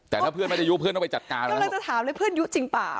แต่ถ้าเพื่อนไม่ได้ยุเพื่อนต้องไปจัดการเลยกำลังจะถามเลยเพื่อนยุจริงเปล่า